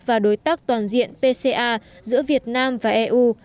và đối tác toàn diện pca giữa việt nam và eu